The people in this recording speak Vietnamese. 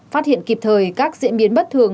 phát hiện kịp thời các diễn biến bất thường